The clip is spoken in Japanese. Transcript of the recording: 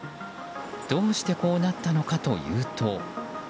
どうしてこうなったのかというと。